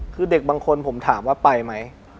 คือเด็กบางคนผมถามว่าไปไหม